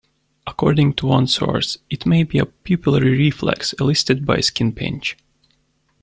According to one source, it may be a pupillary reflex elicited by skin pinch.